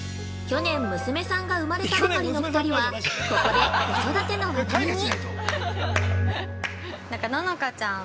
◆去年、娘さんが生まれたばかりの２人はここで、子育ての話題に。